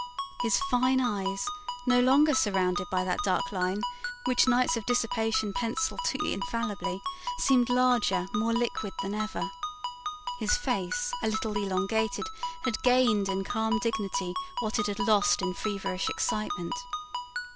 His fine eyes, no longer surrounded by that dark line which nights of dissipation pencil too infallibly, seemed larger, more liquid than ever. His face, a little elongated, had gained in calm dignity what it had lost in feverish excitement.